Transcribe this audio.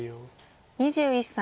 ２１歳。